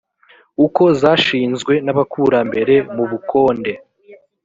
uko zashinzwe n’abakurambere mu bukonde